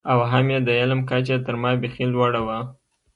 او هم یې د علم کچه تر ما بېخي لوړه وه.